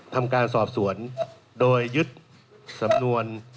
ทำการสอบสวนโดยยึดสำนวน